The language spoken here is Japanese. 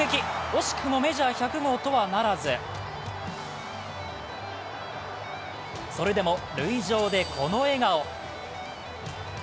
惜しくもメジャー１００号とはならずそれでも塁上でこの笑顔。